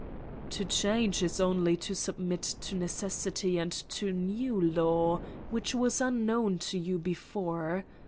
"To change is only to submit to necessity and to new law, which was unknown to you before.